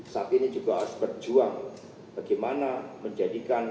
saat ini juga harus berjuang bagaimana menjadikan